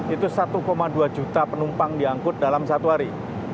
itu satu dua juta penumpang diangkut dalam satu hari